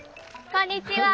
こんにちは。